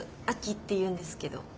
亜紀っていうんですけど。